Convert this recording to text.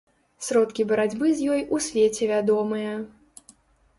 Сродкі барацьбы з ёй у свеце вядомыя.